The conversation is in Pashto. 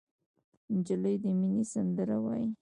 نجلۍ د مینې سندره وایي.